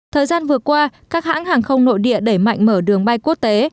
thời gian vừa qua các hãng hàng không nội địa đẩy mạnh mở đường bay quốc tế